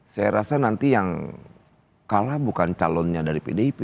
saya rasa nanti yang kalah bukan calonnya dari pdip